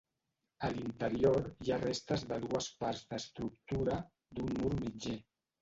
A l'interior hi ha restes de dues parts d'estructura, d'un mur mitger.